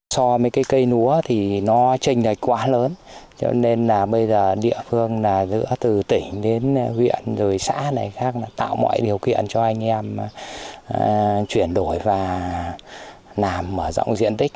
so với cái cây lúa thì nó trình lệch quá lớn cho nên là bây giờ địa phương là giữa từ tỉnh đến huyện rồi xã này khác là tạo mọi điều kiện cho anh em chuyển đổi và làm mở rộng diện tích